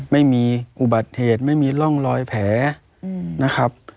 ไม่มีอุบัติเหตุไม่มีร่องรอยแผลนะครับ